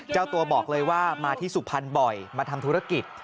เจ้าตัวบอกเลยว่ามาที่สุพรรณบ่อยมาทำธุรกิจ